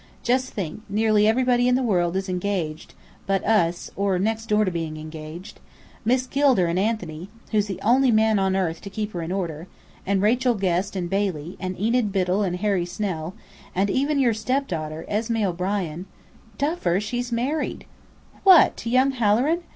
Just think, nearly everybody in the world is engaged, but us or next door to being engaged. Miss Gilder and Anthony who's the only man on earth to keep her in order: and Rachel Guest and Bailey; and Enid Biddell and Harry Snell; and even your stepdaughter, Esmé O'Brien " "Duffer, she's married!" "What, to young Halloran?